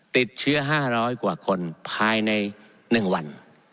ติดเชื้อ๕๐๐กว่าคนภายใน๑วัน